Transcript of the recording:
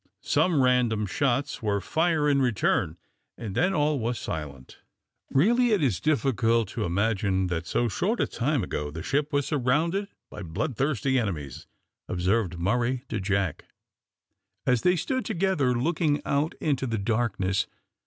Some random shots were fire in return, and then all was silent. "Really it is difficult to believe that so short a time ago the ship was surrounded by bloodthirsty enemies," observed Murray to Jack, as they stood together looking out into the darkness.